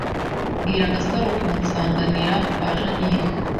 Bwira Gasaro kunsanganira kwa Jeaninne